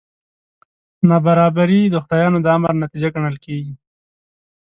نابرابري د خدایانو د امر نتیجه ګڼل کېږي.